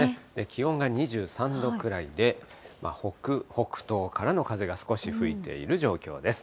気温が２３度くらいで、北北東からの風が少し吹いている状況です。